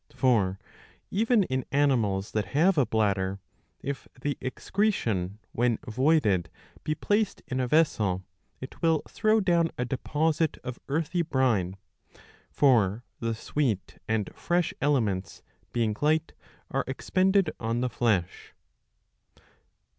For even in animals that have a bladder, if the excretion when voided be placed in a vessel, it will throw down a deposit of earthy brine.* ' For the sweet and fresh elements, being light, are expended on the flesh.